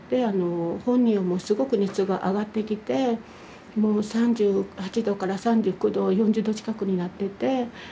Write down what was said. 本人はもうすごく熱が上がってきてもう３８度から３９度４０度近くになってて。